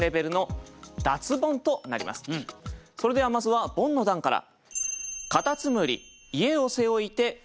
それではまずはボンの段から。